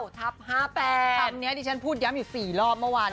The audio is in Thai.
คำนี้ที่ฉันพูดย้ำอยู่๔รอบเมื่อวาน